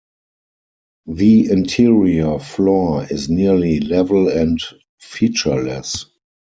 The interior floor is nearly level and featureless.